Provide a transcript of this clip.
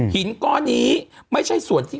หินก้อนี้ไม่ใช่สวนที่